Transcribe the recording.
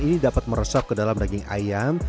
ini dapat meresap ke dalam daging ayam